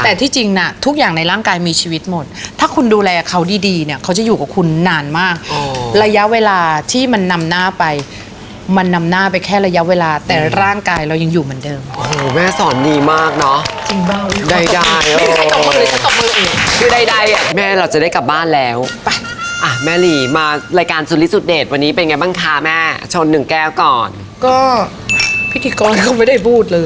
เอาอะไรดังหนาเนี่ยเอาอีกแล้วเอาอีกก็ได้